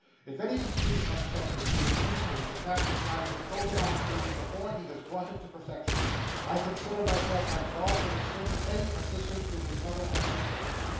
'If any caprice of temper should induce him to cast aside this golden opportunity before he has brought it to perfection, I consider myself absolved from extending any assistance to his mother and sister.